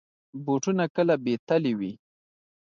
بوټونه کله بې تله وي.